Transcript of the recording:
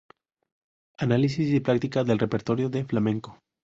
Análisis y Práctica del Repertorio de Flamenco.